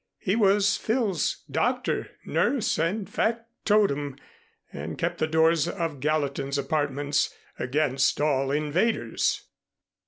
He was Phil's doctor, nurse and factotum, and kept the doors of Gallatin's apartments against all invaders.